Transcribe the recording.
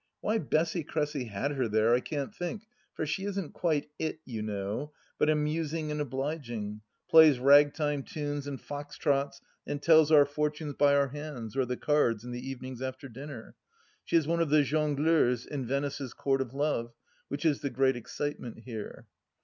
Why Bessy Cressy had her there I can't think, for she isn't quite "it," you know, but amusing and obliging: plays rag time tunes and fox trots and tells our fortunes by our hands or the cards in the evenings after dinner. She is one of the jongleurs in Venice's Court of Love, which is the great excitement here.